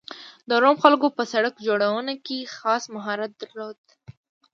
د روم خلکو په سړک جوړونه کې خاص مهارت درلود